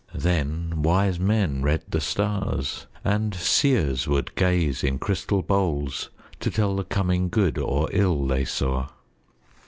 Then wise men read the stars and seers would gaze in crystal bowls to tell the coming good or ill they saw.